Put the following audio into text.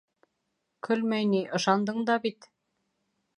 — Көлмәй ни, ышандың да бит.